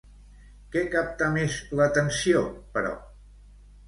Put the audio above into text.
Què capta més l'atenció, però?